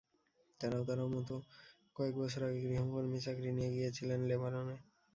তাঁরাও তাঁর মতো কয়েক বছর আগে গৃহকর্মীর চাকরি নিয়ে গিয়েছিলেন লেবাননে।